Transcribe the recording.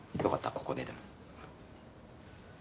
ここででも。